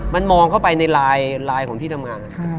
มันมองเข้าไปในไลน์ของที่ทำงาน